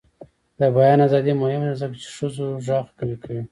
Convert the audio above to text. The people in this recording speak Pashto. د بیان ازادي مهمه ده ځکه چې ښځو غږ قوي کوي.